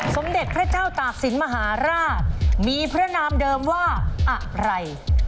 สมเด็จพระเจ้าตากศิลป์มหาราชมีพระนามเดิมว่าอะไร